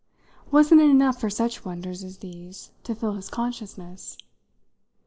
Wasn't it enough for such wonders as these to fill his consciousness?